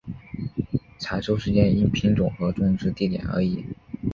采收时间因品种和种植地点而异。